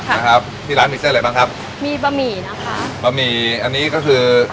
นะครับที่ร้านมีเส้นอะไรบ้างครับมีบะหมี่นะคะบะหมี่อันนี้ก็คือ